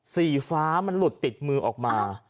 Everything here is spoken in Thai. สีฟ้ามันหลุดติดมือออกมา